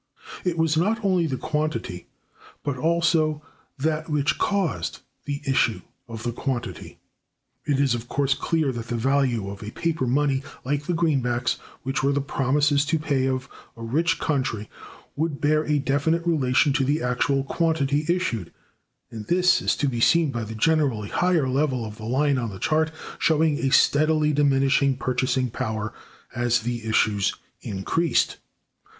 It was not only the quantity but also that which caused the issue of the quantity. It is, of course, clear that the value of a paper money like the greenbacks, which were the promises to pay of a rich country, would bear a definite relation to the actual quantity issued; and this is to be seen by the generally higher level of the line on the chart, showing a steadily diminishing purchasing power as the issues increased.